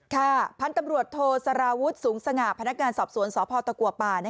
พันธุ์ตำรวจโทสารวุฒิสูงสง่าพนักงานสอบสวนสพตะกัวป่า